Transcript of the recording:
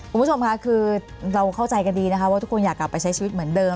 คุณผู้ชมค่ะคือเราเข้าใจกันดีนะคะว่าทุกคนอยากกลับไปใช้ชีวิตเหมือนเดิม